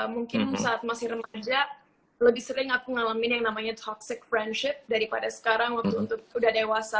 mungkin saat masih remaja lebih sering aku ngalamin yang namanya toxic friendship daripada sekarang waktu udah dewasa